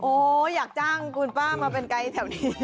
อยากจ้างคุณป้ามาเป็นไกด์แถวนี้